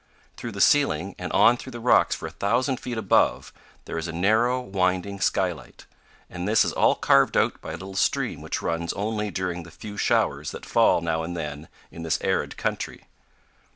Through the ceiling, and on through the rocks for a thousand feet above, there is a narrow, winding skylight; and this is all carved out by a little stream which runs only during the few showers that fall now and then in this arid country.